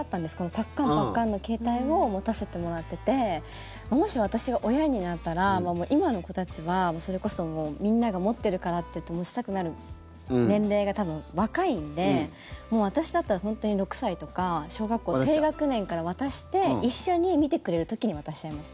パッカンパッカンの携帯を持たせてもらっててもし私が親になったらもう今の子たちはそれこそみんなが持ってるからって持ちたくなる年齢が多分、若いんでもう私だったら本当に６歳とか小学校低学年から渡して一緒に見てくれる時に渡しちゃいます。